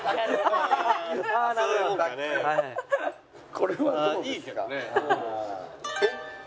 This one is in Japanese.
これは。いいけどね。